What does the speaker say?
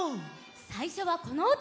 さいしょはこのうた！